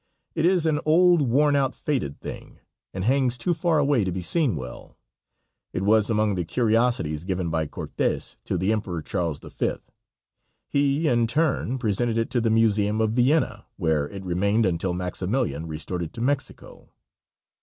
It is an old, worn out, faded thing, and hangs too far away to be seen well. It was among the curiosities given by Cortes to the Emperor Charles V. He in turn presented it to the Museum of Vienna, where it remained until Maximilian restored it to Mexico.